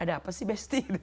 ada apa sih besti